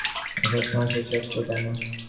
প্রতিদিন সেনদিদিকে দেখিতে আসার সময় শশী আজকাল পায় না।